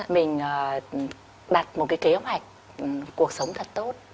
mình đặt một cái kế hoạch cuộc sống thật tốt